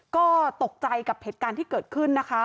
ก็ตกใจกับเหตุการณ์ที่เกิดขึ้นนะคะ